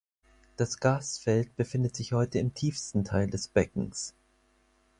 Das Gasfeld befindet sich heute im tiefsten Teil des Beckens.